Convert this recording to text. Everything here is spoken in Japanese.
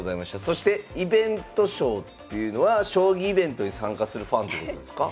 そしてイベント将っていうのは将棋イベントに参加するファンってことですか？